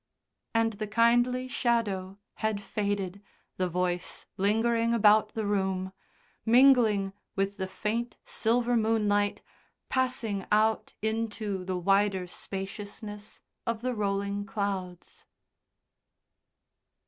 And the kindly shadow had faded, the voice lingering about the room, mingling with the faint silver moonlight, passing out into the wider spaciousness of the rolling clouds.